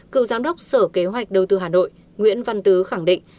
cựu giám đốc sở kế hoạch đầu tư hà nội nguyễn văn tứ khẳng định